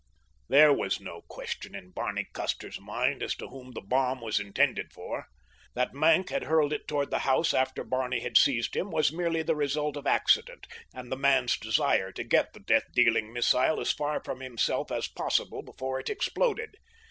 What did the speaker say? There was no question in Barney Custer's mind as to whom the bomb was intended for. That Maenck had hurled it toward the house after Barney had seized him was merely the result of accident and the man's desire to get the death dealing missile as far from himself as possible before it exploded.